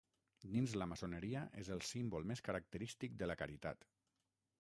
Dins la maçoneria, és el símbol més característic de la caritat.